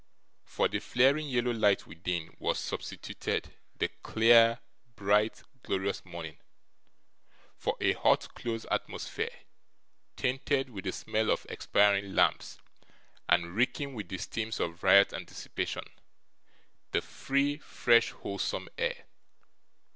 For the flaring yellow light within, was substituted the clear, bright, glorious morning; for a hot, close atmosphere, tainted with the smell of expiring lamps, and reeking with the steams of riot and dissipation, the free, fresh, wholesome air.